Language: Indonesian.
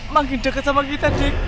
makin dekat sama kita deh